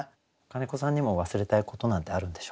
金子さんにも忘れたいことなんてあるんでしょうか？